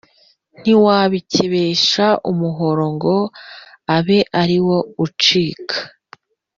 Ntiwabikebesha umuhoro ngo abe ari wo ucika